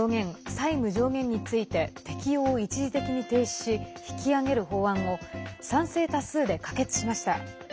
債務上限について適用を一時的に停止し引き上げる法案を賛成多数で可決しました。